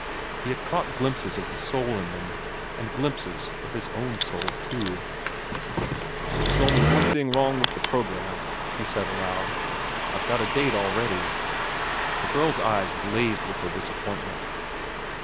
He had caught glimpses of the soul in them, and glimpses of his own soul, too. "There's only one thing wrong with the programme," he said aloud. "I've got a date already." The girl's eyes blazed her disappointment.